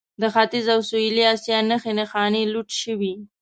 د ختیځ او سویلي اسیا نښې نښانې لوټ شوي.